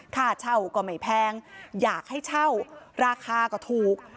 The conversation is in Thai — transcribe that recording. ค่าเช่าก็ไม่แพงอยากให้เช่าราคาก็ถูก